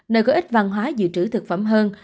nơi có ít văn hóa dự trữ thực phẩm hơn